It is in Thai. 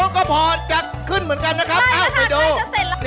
ก็พอจะขึ้นเหมือนกันนะครับเอ้าไปดู